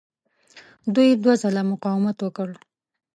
دوی دوه ځله مقاومت وکړ.